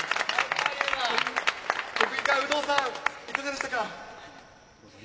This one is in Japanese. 国技館の有働さん、いかがでしたか？